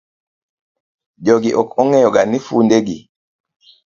Jogi ok ong'eyo ga ni funde gi.